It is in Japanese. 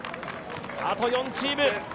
あと４チーム。